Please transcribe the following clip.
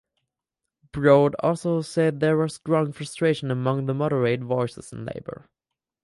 Broad also said there was "growing frustration among the moderate voices" in Labor.